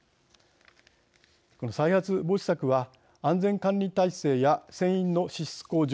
再発防止策は安全管理体制や船員の資質向上